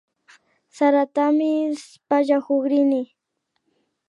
Saratami pallakukrini